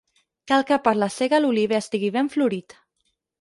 Cal que per la sega l'oliver estigui ben florit.